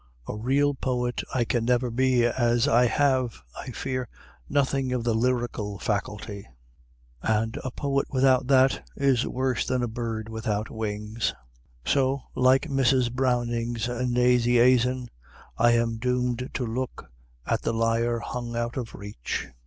A real poet I can never be, as I have, I fear, nothing of the lyrical faculty; and a poet without that is worse than a bird without wings, so, like Mrs. Browning's Nazianzen, I am doomed to look 'at the lyre hung out of reach.'"